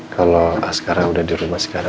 kalau sekarang udah di rumah sekarang